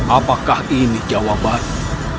apakah ini jawabannya